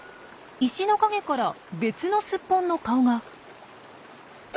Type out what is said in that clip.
石の陰から別のスッポンの顔が。